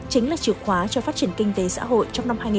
chính là chìa khóa cho phát triển kinh tế xã hội